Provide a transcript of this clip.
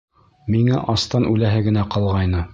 Миңә астан үләһе генә ҡалғайны...